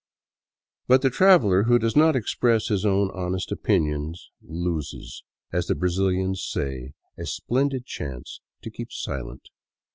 But the traveler who does not express his own honest opinions, " loses," as the Brazilians say, '' a splendid chance to keep silent."